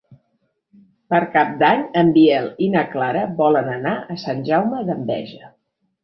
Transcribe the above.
Per Cap d'Any en Biel i na Clara volen anar a Sant Jaume d'Enveja.